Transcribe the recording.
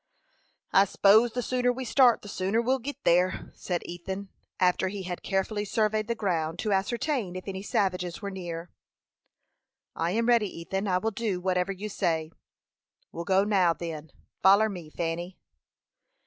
"I s'pose the sooner we start, the sooner we'll git there," said Ethan, after he had carefully surveyed the ground to ascertain if any savages were near. "I am ready, Ethan. I will do whatever you say." "We'll go now, then. Foller me, Fanny."